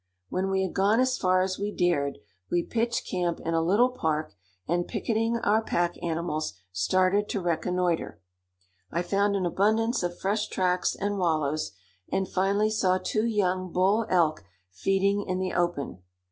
When we had gone as far as we dared, we pitched camp in a little park, and picketing our pack animals, started to reconnoiter. I found an abundance of fresh tracks and wallows, and finally saw two young bull elk feeding in the open.